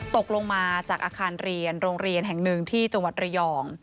ตกลงมาจากอาคารเรียนโรงเรียนแห่งหนึ่งที่จังหวัดระยอง